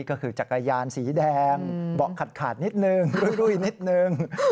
ก็คือจักรยานสีแดงเบาะขาดนิดนึงรุยนิดนึง